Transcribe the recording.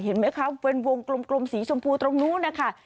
เห็นไหมคะเป็นวงกลมสีชมพูตรงนู้นนะคะ